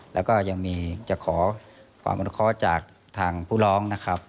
แล้วก็ยังมีจะขอความอนุเคราะห์จากทางผู้ร้องนะครับ